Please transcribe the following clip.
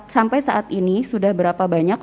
sampai saat ini sudah berapa banyak